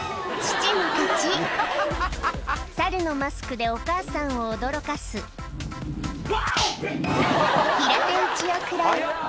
父の勝ちサルのマスクでお母さんを驚かすワオ！